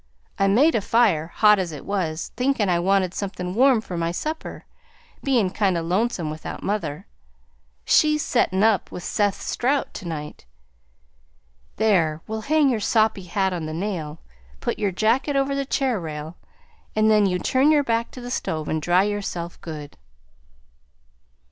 I made a fire, hot as it was, thinkin' I wanted somethin' warm for my supper, bein' kind o' lonesome without mother. She's settin' up with Seth Strout to night. There, we'll hang your soppy hat on the nail, put your jacket over the chair rail, an' then you turn your back to the stove an' dry yourself good."